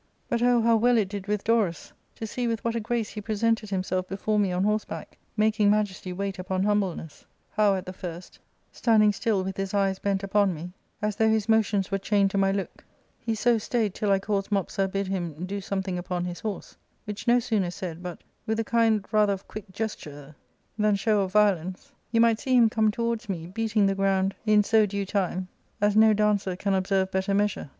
But, oh, how well it did with Dorus — to see ' with what a grace he presented himself before me on horse back, making majesty wait upon humbleness ; how, at the first, standing still with his eyes bent upon me, as though his motions were chained to my look, he so stayed till I caused Mopsa bid him do something upon his horse, which no sooner said but, with a kind rather of quick gesture than show of violence, you might see him come towards me, beating the ground in so due time as no dancer can observe better mea sure.